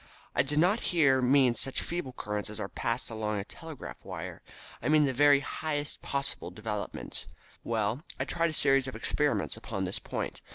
I did not here mean such feeble currents as are passed along a telegraph wire, but I mean the very highest possible developments. Well, I tried a series of experiments upon this point.